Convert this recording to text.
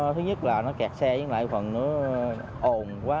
thứ nhất là nó kẹt xe với lại phần nó ồn quá